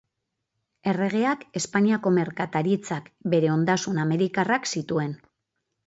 Erregeak Espainiako merkataritzak bere ondasun Amerikarrak zituen.